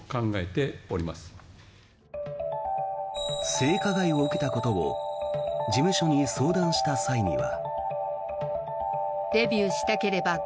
性加害を受けたことを事務所に相談した際には。